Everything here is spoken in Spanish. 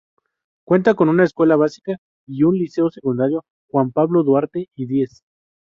Cuenta con una escuela básica y un Liceo secundario Juan Pablo Duarte y Diez.